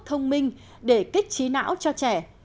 thông minh để kích trí não cho trẻ